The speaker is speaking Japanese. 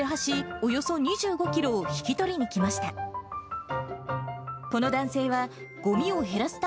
およそ２５キロを引き取りに来ました。